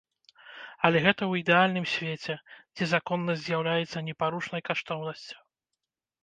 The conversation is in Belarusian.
Але гэта ў ідэальным свеце, дзе законнасць з'яўляецца непарушнай каштоўнасцю.